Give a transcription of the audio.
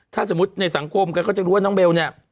ถ้าสมมุติในสังคมกันก็จะรู้ว่าน้องเบลเนี่ย